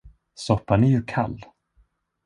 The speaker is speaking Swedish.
Soppan är ju kall!